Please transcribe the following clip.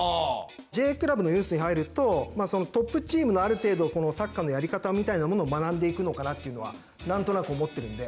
Ｊクラブのユースに入るとそのトップチームのある程度サッカーのやり方みたいなものを学んでいくのかなっていうのは何となく思ってるんで。